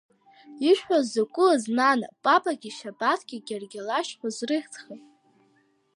Ишәҳәоз закәыз, нана, папагьы Шьабаҭгьы Гьаргьалашь ҳәа зрыхьыӡхеи?